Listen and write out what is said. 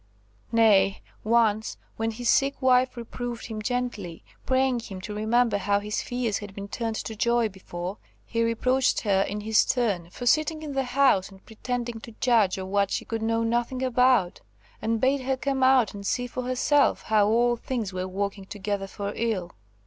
Nay, once, when his sick wife reproved him gently, praying him to remember how his fears had been turned to joy before, he reproached her in his turn for sitting in the house and pretending to judge of what she could know nothing about, and bade her come out and see for herself how all things were working together for ill.